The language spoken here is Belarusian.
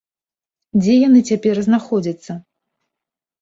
Дзе яны цяпер знаходзяцца?